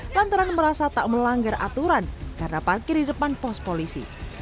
lantaran merasa tak melanggar aturan karena parkir di depan pos polisi